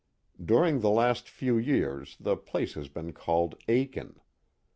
During the last few years the place has been called Akin.